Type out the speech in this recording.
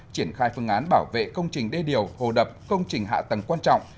triển khai phương án bảo vệ công trình đê điều hồ đập công trình hạ tầng quan trọng